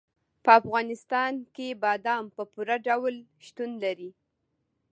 په افغانستان کې بادام په پوره ډول شتون لري.